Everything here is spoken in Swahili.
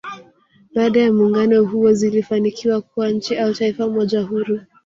Baada ya muungano huo zilifanikiwa kuwa nchi au Taifa moja huru